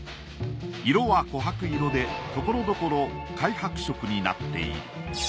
色は琥珀色でところどころ灰白色になっている。